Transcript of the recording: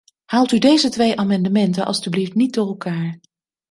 Haalt u deze twee amendementen alstublieft niet door elkaar.